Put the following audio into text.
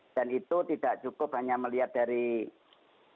dan itu tidak cukup hanya melihat dari apa yang terjadi